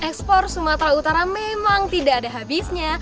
ekspor sumatera utara memang tidak ada habisnya